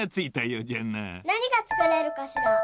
なにがつくれるかしら？